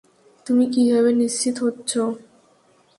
তুমি কীভাবে নিশ্চিত হচ্ছ?